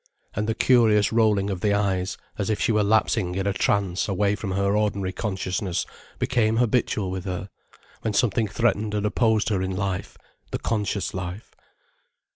And the curious rolling of the eyes, as if she were lapsing in a trance away from her ordinary consciousness became habitual with her, when something threatened and opposed her in life, the conscious life.